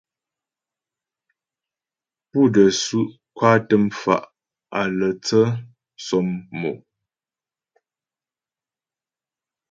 Pú də́ su' kwatə mfa' á lə́ tsə sɔmmò.